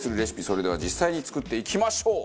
それでは実際に作っていきましょう。